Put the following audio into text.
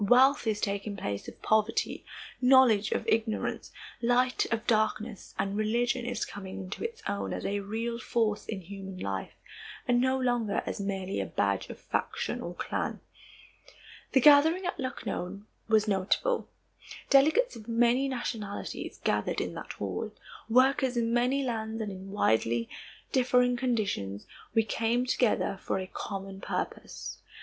Wealth is taking place of poverty, knowledge of ignorance, light of darkness, and religion is coming into its own as a real force in human life and no longer as merely a badge of faction or clan. The gathering at Lucknow was notable. Delegates of many nationalities gathered in that hall. Workers in many lands and in widely differing conditions, we came together for a common purpose.